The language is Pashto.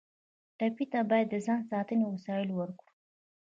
ټپي ته باید د ځان ساتنې وسایل ورکړو.